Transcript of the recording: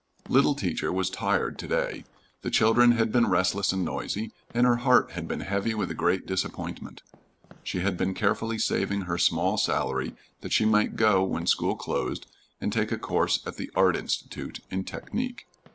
Little Teacher was tired to day. The children had been restless and noisy, and her heart had been heavy with a great disappointment. She had been carefully saving her small salary that she might go when school closed and take a course at the "Art Institute" in "Technique."